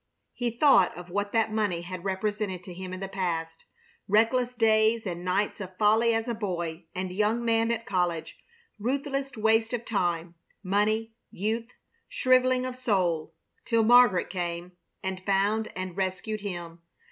He thought of what that money had represented to him in the past. Reckless days and nights of folly as a boy and young man at college; ruthless waste of time, money, youth; shriveling of soul, till Margaret came and found and rescued him!